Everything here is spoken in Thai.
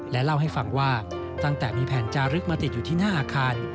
เล่าให้ฟังว่าตั้งแต่มีแผ่นจารึกมาติดอยู่ที่หน้าอาคาร